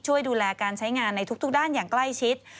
ช่วยดูแลการใช้งานในทุกด้านอย่างใกล้ชิด